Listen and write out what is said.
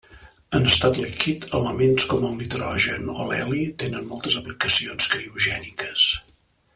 En estat líquid, elements com el nitrogen o l'heli tenen moltes aplicacions criogèniques.